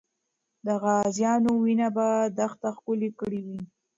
د غازیانو وینه به دښته ښکلې کړې وي.